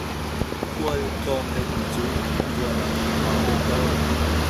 Khual a tlawng deuh mi cu an ruahnak a kau deuh tawn.